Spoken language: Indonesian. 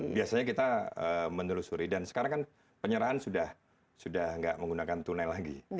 biasanya kita menelusuri dan sekarang kan penyerahan sudah tidak menggunakan tunai lagi